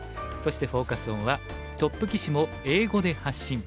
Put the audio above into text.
そしてフォーカス・オンは「トップ棋士も英語で発信！